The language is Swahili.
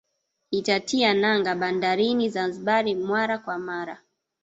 Itatia nanga bandarini Zanzibar mara kwa mara